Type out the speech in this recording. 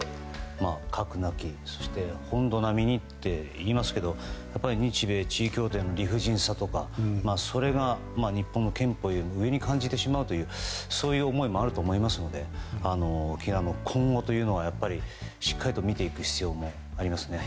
核なき本土並みにと言いますけど日米地位協定の理不尽さとかそれが日本の憲法より上に感じてしまうというそういう思いもあると思いますので沖縄の今後というのもしっかりと見ていく必要もありますね。